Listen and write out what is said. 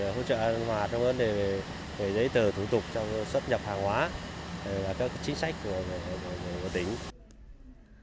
hỗ trợ an hòa trong vấn đề giấy tờ thủ tục trong xuất nhập hàng hóa các chính sách của tỉnh